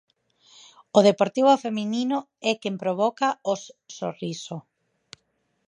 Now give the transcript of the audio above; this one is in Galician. O Deportivo feminino é quen provoca os sorriso.